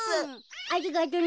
ありがとうね。